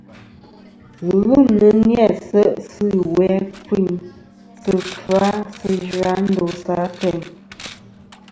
Ghɨlûmnɨ ni-a se' sɨ ɨwi a kfiyn sɨ kfa sɨ zha ndosɨ ateyn.